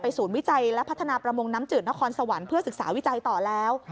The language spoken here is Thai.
ศูนย์วิจัยและพัฒนาประมงน้ำจืดนครสวรรค์เพื่อศึกษาวิจัยต่อแล้ว